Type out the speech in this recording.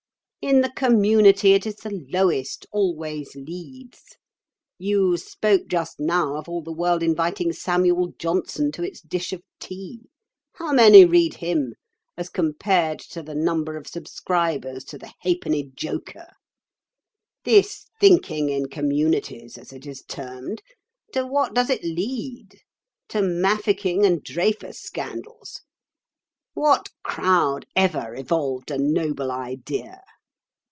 In the community it is the lowest always leads. You spoke just now of all the world inviting Samuel Johnson to its dish of tea. How many read him as compared to the number of subscribers to the Ha'penny Joker? This 'thinking in communities,' as it is termed, to what does it lead? To mafficking and Dreyfus scandals. What crowd ever evolved a noble idea?